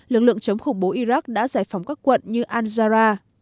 lực lượng chống khủng bố iraq đã giải phóng các quận như al jarrah